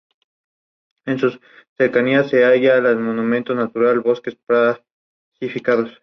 Es hermano del ex futbolista Pascual de Gregorio.